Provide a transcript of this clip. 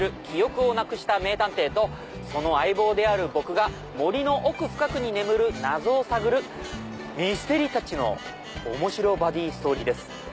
記憶をなくした名探偵とその相棒である僕が森の奥深くに眠る謎を探るミステリータッチの面白バディストーリーです。